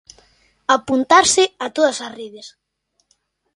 Apuntarse a todas as redes.